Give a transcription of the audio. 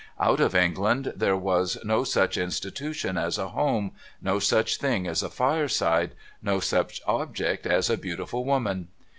Out of England there was no such institution as a home, no such thing as a fireside, no such object as a beautiful woman.